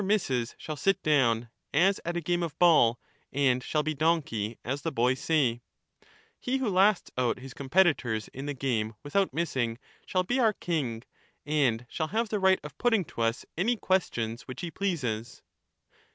whoever jpisses shall sit down, as at a game of ball, and shall be donkey, as the boys say; he who lasts out his com petitors in the game without missing, shall be our king, and shall have the right of putting to us any questions which he pleases